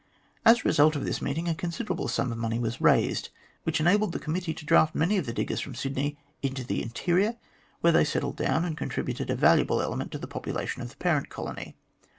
As a result of this meeting a considerable sum of money was raised, which enabled the Committee to draft many of the diggers from Sydney into the interior, where they settled down and contributed a valuable element to the population of the parent colony.